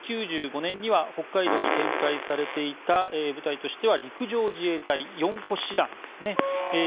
９５年には北海道に展開されていた部隊としては陸上自衛隊４個師団ですね。